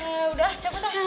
ya udah cabut aja